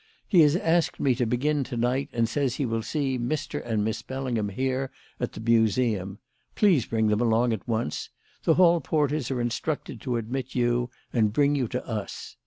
He has asked me to begin to night and says he will see Mr. and Miss Bellingham here, at the Museum. Please bring them along at once. The hall porters are instructed to admit you and bring you to us.